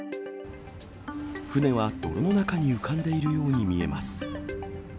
船は泥の中に浮かんでいるように見えます。